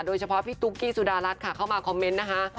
พี่ตุ๊กกี้สุดารัฐค่ะเข้ามาคอมเมนต์นะคะ